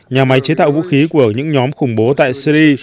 nhà máy chế tạo vũ khí của những nhóm khủng bố tại syri